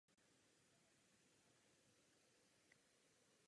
Vedl referát kultu a vzdělávání.